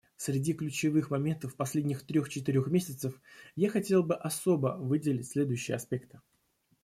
Среди ключевых моментов последних трех-четырех месяцев я хотел бы особо выделить следующие аспекты.